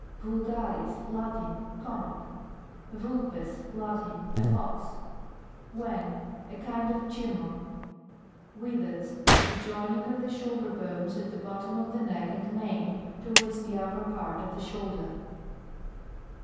VULGARIJ>. Latin. Common. VULPES. Latin. A fox. WEN. A kind of tumour. WITHERS. The joining of the shoul der bones at the bottom of the neck and mane, towards the upper part of the shoulder.